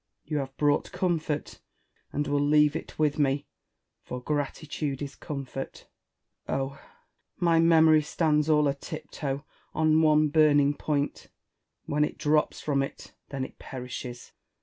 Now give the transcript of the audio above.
You have brought comfort^ and will leave it with me, for gratitude is comfort. Oh 1 my memory stands all a tip toe on one burning point : Avhen it drops from it, then it perishes.